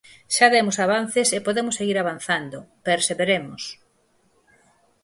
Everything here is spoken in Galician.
Xa demos avances e podemos seguir avanzando; perseveremos.